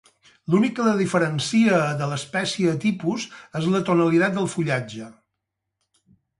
L'únic que la diferencia de l'espècie tipus és la tonalitat del fullatge.